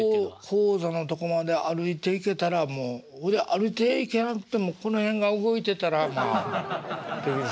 高座のとこまで歩いていけたらもうほいで歩いていけなくてもこの辺が動いてたらまあできる商売ですから。